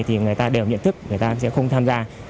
thì người ta đều nhận thức người ta sẽ không tham gia